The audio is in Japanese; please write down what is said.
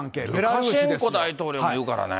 ルカシェンコ大統領も言うからね。